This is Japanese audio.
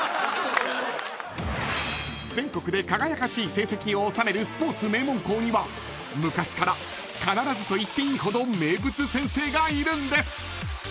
［全国で輝かしい成績を収めるスポーツ名門校には昔から必ずと言っていいほど名物先生がいるんです！］